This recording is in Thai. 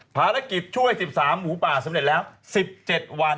ภารกิจช่วย๑๓หมูป่าสำเร็จแล้ว๑๗วัน